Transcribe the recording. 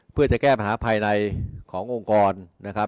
เพื่อจะแก้ปัญหาภายในขององค์กรนะครับ